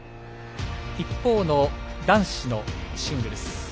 一方の男子のシングルス。